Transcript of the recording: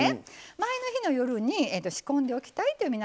前の日の夜に仕込んでおきたいという皆さん